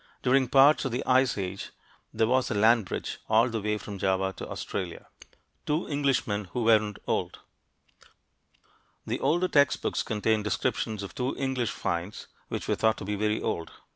During parts of the Ice Age there was a land bridge all the way from Java to Australia. TWO ENGLISHMEN WHO WEREN'T OLD The older textbooks contain descriptions of two English finds which were thought to be very old.